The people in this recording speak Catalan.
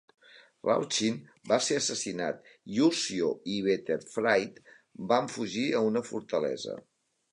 Rauching va ser assassinat i Ursio i Berthefrid van fugir a una fortalesa.